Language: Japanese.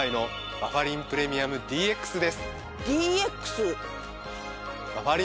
バファリンプレミアムＤＸは。